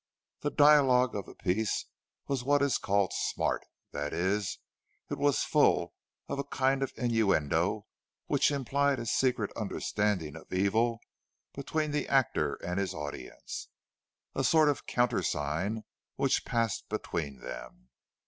The dialogue of the piece was what is called "smart"; that is, it was full of a kind of innuendo which implied a secret understanding of evil between the actor and his audience—a sort of countersign which passed between them.